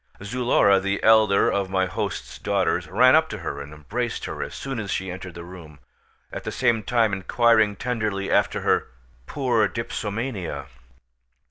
Zulora (the elder of my host's daughters) ran up to her and embraced her as soon as she entered the room, at the same time inquiring tenderly after her "poor dipsomania."